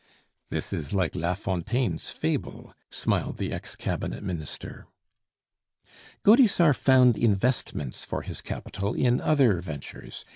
"This is like La Fontaine's fable," smiled the ex cabinet minister. Gaudissart found investments for his capital in other ventures.